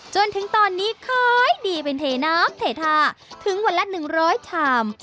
จนถึงตอนนี้ขายดีเป็นเทน้ำเททาถึงวันละ๑๐๐ชาม